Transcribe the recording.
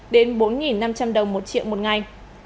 tổng số tiền lấy bốn năm trăm linh đồng một triệu một ngày